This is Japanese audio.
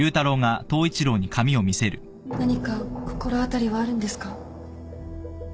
何か心当たりはあるんですか？